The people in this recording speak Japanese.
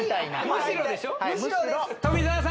むしろでしょ？